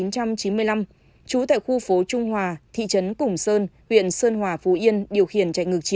trú tại khu phố trung hòa thị trấn củng sơn huyện sơn hòa phú yên